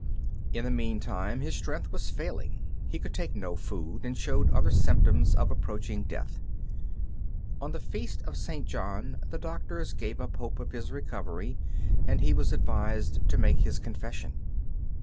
In the meantime his strength was failing. He could take no food, and showed other symptoms of approaching death. On the feast of St. John the doctors gave up hope of his recovery, and he was advised to make his confession.